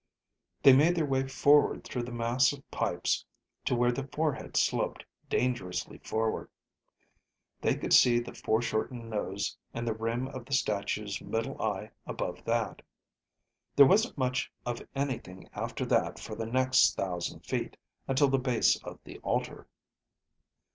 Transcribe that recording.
They made their way forward through the mass of pipes to where the forehead sloped dangerously forward. They could see the foreshortened nose and the rim of the statue's middle eye above that. There wasn't much of anything after that for the next thousand feet until the base of the altar.